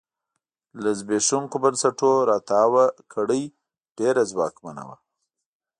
له زبېښونکو بنسټونو راتاوه کړۍ ډېره ځواکمنه وه.